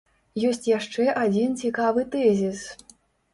Ёсць яшчэ адзін цікавы тэзіс.